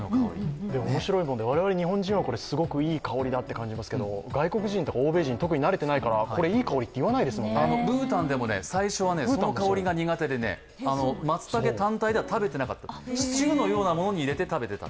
面白いもので、我々、日本人はすごくいい香りだと感じますけど、外国人、欧米人って、特に慣れていないから、ブータンも、最初この香りが苦手で松茸単体では食べてなかった、シチューのようなものに入れて食べていた。